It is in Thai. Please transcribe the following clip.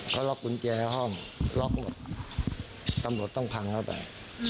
เขาล็อกกุญแจในห้องล็อกหมดตำรวจต้องพังเข้าไป